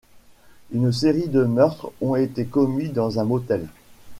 Une série de meurtres ont été commis dans un motel.